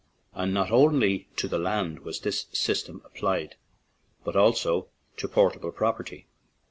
And not only to land was this system applied, but also to portable prop erty.